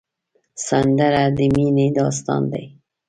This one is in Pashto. سندره د مینې داستان دی